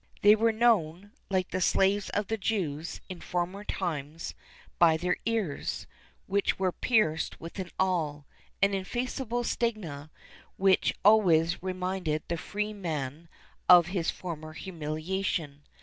They were known, like the slaves of the Jews[XXXIII 4] in former times, by their ears, which were pierced with an awl;[XXXIII 5] an ineffaceable stigma, which always reminded the freed man of his former humiliation.